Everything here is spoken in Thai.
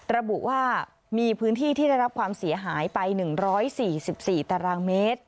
ระบุว่ามีพื้นที่ที่ได้รับความเสียหายไป๑๔๔ตารางเมตร